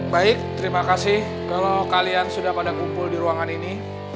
baik terima kasih kalau kalian sudah pada kumpul di ruangan ini